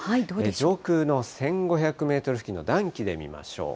上空の１５００メートル付近の暖気で見ましょう。